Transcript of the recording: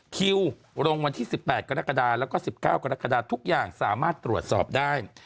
คิวลงวันที่๑๘กรกฎาแล้วก็๑๙กรกฎาทุกอย่างสามารถตรวจสอบได้